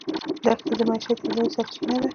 دښتې د معیشت یوه لویه سرچینه ده.